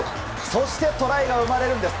そして、トライが生まれるんです。